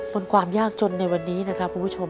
ความยากจนในวันนี้นะครับคุณผู้ชม